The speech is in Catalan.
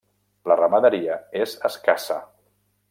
La ramaderia és escassa.